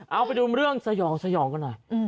เอาไปดูเรื่องสยองสยองกันหน่อย